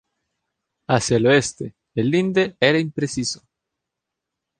Hacia el Oeste, el linde era impreciso.